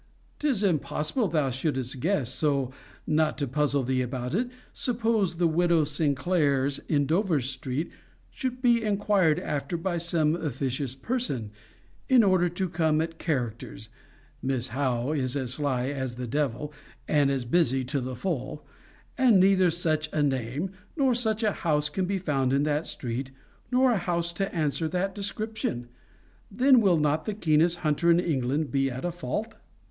'Tis impossible thou shouldst guess, so, not to puzzle thee about it, suppose the Widow Sinclair's in Dover street should be inquired after by some officious person, in order to come at characters [Miss Howe is as sly as the devil, and as busy to the full,] and neither such a name, nor such a house, can be found in that street, nor a house to answer the description; then will not the keenest hunter in England be at a fault?